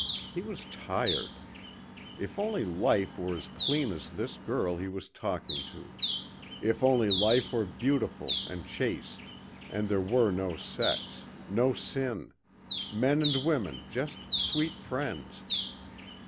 He was tired. If only life were as clean as this girl he was talking to.... If only life were beautiful and chaste. And there were no sex. No sin. Men and women just sweet friends.